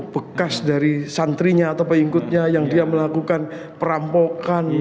bekas dari santrinya atau pengikutnya yang dia melakukan perampokan